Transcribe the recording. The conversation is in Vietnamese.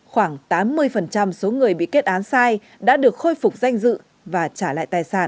khoảng tám mươi số người bị kết án sai đã được khôi phục danh dự và trả lại tài sản